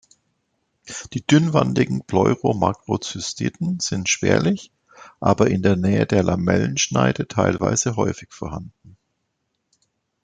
Die dünnwandigen Pleuromakrozystiden sind spärlich, aber in der Nähe der Lamellenschneide teilweise häufig vorhanden.